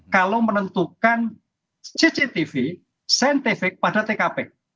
kalau menentukan cctv scientific pada tkp